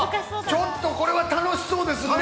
◆ちょっとこれは楽しそうですね。